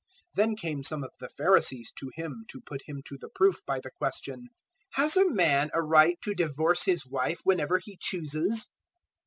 019:003 Then came some of the Pharisees to Him to put Him to the proof by the question, "Has a man a right to divorce his wife whenever he chooses?"